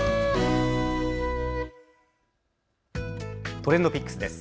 ＴｒｅｎｄＰｉｃｋｓです。